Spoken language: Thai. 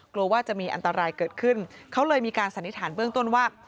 กลัวว่าจะมีอันตรายเกิดขึ้นเขาเลยมีการสันนิษฐานเบื้องต้นว่า